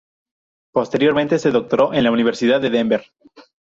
Posteriormente se doctoró en la Universidad de Denver.